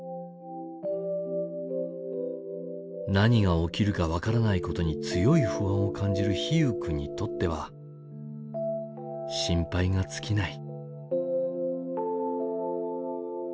何が起きるか分からないことに強い不安を感じる陽友君にとっては心配がつきない。